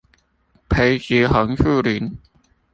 培植紅樹林